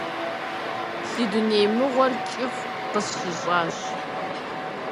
Си дуней мыгъуэр кӀыфӀ къысщищӀащ…